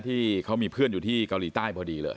ที่เขามีเพื่อนอยู่ที่เกาหลีใต้พอดีเลย